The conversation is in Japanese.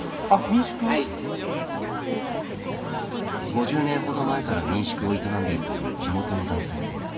５０年ほど前から民宿を営んでいるという地元の男性。